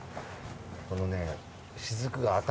このね。